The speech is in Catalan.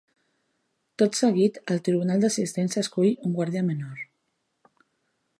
Tot seguit, el tribunal d'assistents escull un guardià menor.